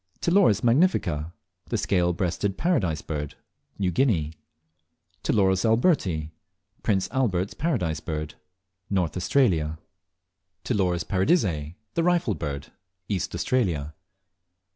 12. Ptiloris magnifica (The Scale breasted Paradise Bird). New Guinea. 13. Ptiloris alberti (Prince Albert's Paradise Bird). North Australia. 14. Ptiloris Paradisea (The Rifle Bird). East Australia.